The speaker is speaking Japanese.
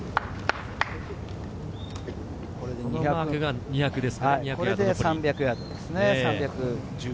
このマークが２００です。